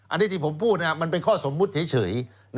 อันนี้ที่ผมพูดมันเป็นข้อสมมุติเฉย